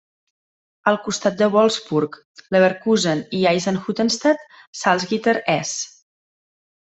Al costat de Wolfsburg, Leverkusen i Eisenhüttenstadt, Salzgitter és.